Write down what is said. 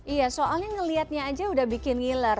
iya soalnya ngeliatnya aja udah bikin ngiler